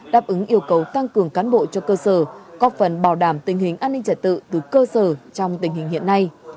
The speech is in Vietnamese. đáp ứng yêu cầu tăng cường cán bộ cho cơ sở có phần bảo đảm tình hình an ninh trả tự từ cơ sở trong tình hình hiện nay